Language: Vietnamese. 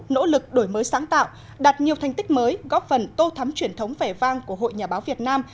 nỗ lực đổi mới sáng tạo đạt nhiều thành tích mới góp phần tô thắm truyền thống vẻ vang của hội nhà báo việt nam